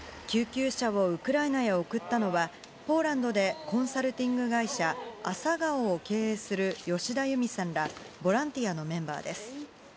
救急車をウクライナへ送ったのはポーランドでコンサルティング会社ＡＳＡＧＡＯを経営する吉田祐美さんらボランティアのメンバーです。